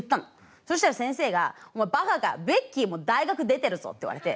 そしたら先生が「お前バカかベッキーも大学出てるぞ」って言われて。